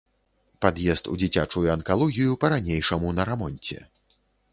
Пад'езд у дзіцячую анкалогію па-ранейшаму на рамонце.